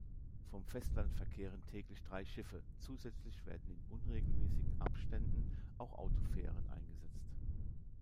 Vom Festland verkehren täglich drei Schiffe; zusätzlich werden in unregelmäßigen Abständen auch Autofähren eingesetzt.